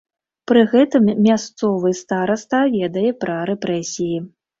Пры гэтым мясцовы стараста ведае пра рэпрэсіі.